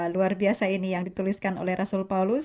luar biasa ini yang dituliskan oleh rasul paulus